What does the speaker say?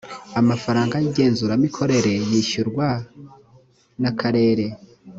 amafaranga y’igenzuramikorere yishyurwa n’akarere